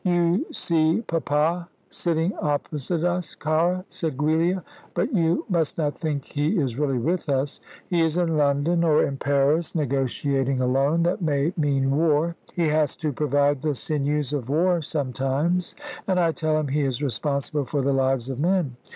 "You see Papa sitting opposite us, cara," said Giulia; "but you must not think he is really with us. He is in London, or in Paris, negotiating a loan that may mean war. He has to provide the sinews of war sometimes; and I tell him he is responsible for the lives of men.